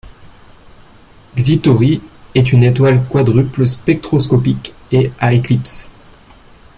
Xi Tauri est une étoile quadruple spectroscopique et à éclipses.